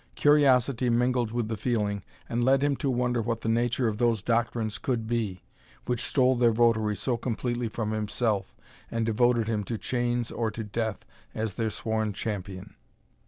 Curiosity mingled with the feeling, and led him to wonder what the nature of those doctrines could be, which stole their votary so completely from himself, and devoted him to chains or to death as their sworn champion.